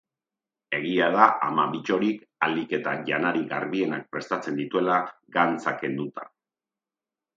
Egia da ama Bittorik ahalik eta janari garbienak prestatzen dituela, gantza kenduta.